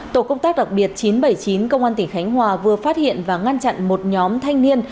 tổ công tác đặc biệt chín trăm bảy mươi chín công an tỉnh khánh hòa vừa phát hiện và ngăn chặn một nhóm thanh niên